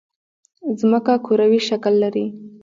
ځمکه کوروي شکل لري